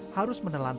harus menelan rakyatnya